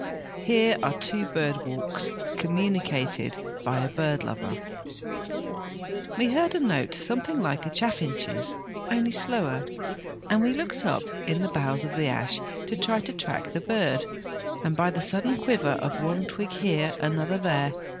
Here are two bird walks communicated by a bird lover : "We heard a note something like a chaffinch's, only slower, and we looked up in the boughs of the ash to try and track the bird by the sudden quiver of one twig here, another, there.